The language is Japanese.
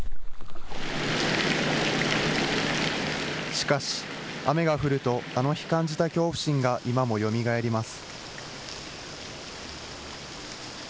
しかし、雨が降るとあの日感じた恐怖心が今もよみがえります。